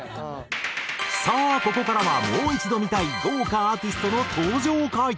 さあここからはもう一度見たい豪華アーティストの登場回。